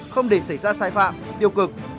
không để xảy ra sai phạm điều cực